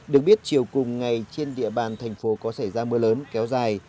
được biết chiều cùng ngày trên địa bàn thành phố có xảy ra mưa lớn kéo dài